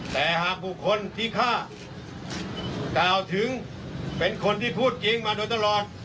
แต่หากบุคคลที่ฆ่ากล่าวถึงเป็นคนที่พูดจริงมาโดยตลอด